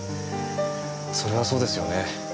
それはそうですよね。